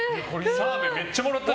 澤部、めっちゃもらってる。